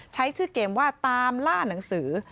ใช้ชื่อเกมว่าตามล่าหนังสือ